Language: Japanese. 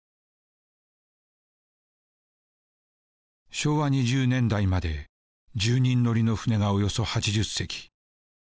昭和２０年代まで１０人乗りの船がおよそ８０隻。